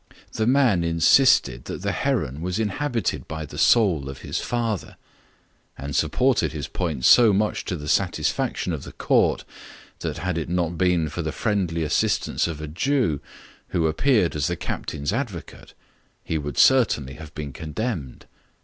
The man insisted that the heron was inhabited by the soul of his father; and supported his point so much to the satisfaction of the court, that had it not been for the friendly assistance of a Jew, who appeared as the captain's advocate, he would certainly have been condemned.